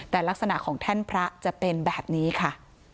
แต่ลักษณะของแท่นพระจะเป็นแบบนี้ค่ะ